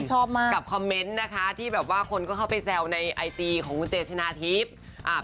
ก็กับคอมเม้นต์นะคะที่แบบว่าคนเข้าไปแซวในไอทีของเจชนะทิพย์